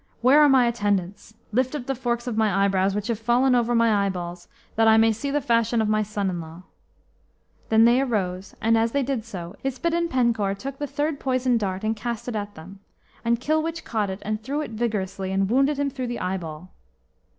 Where are my attendants? Lift up the forks of my eyebrows, which have fallen over my eyeballs, that I may see the fashion of my son in law." Then they arose, and, as they did so, Yspadaden Penkawr took the third poisoned dart and cast it at them. And Kilwich caught it, and threw it vigorously, and wounded him through the eyeball.